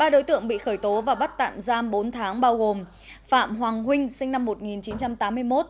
ba đối tượng bị khởi tố và bắt tạm giam bốn tháng bao gồm phạm hoàng huynh sinh năm một nghìn chín trăm tám mươi một